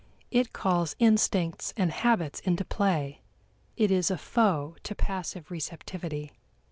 It calls instincts and habits into play; it is a foe to passive receptivity.